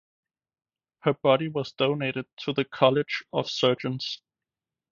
Her body was donated to the College of Surgeons.